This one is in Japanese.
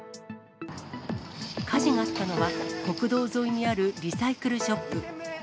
火事があったのは、国道沿いにあるリサイクルショップ。